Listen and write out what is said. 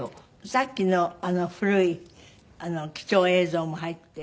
さっきの古い貴重映像も入っている。